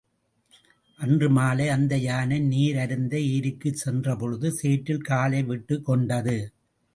அன்று மாலை, அந்த யானை நீர் அருந்த ஏரிக்குச் சென்றபொழுது சேற்றில் காலை விட்டுக்கொண்டது.